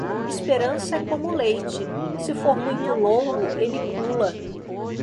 Esperança é como leite: se for muito longo, ele pula.